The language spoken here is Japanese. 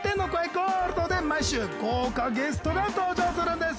ゴールドで毎週豪華ゲストが登場するんです。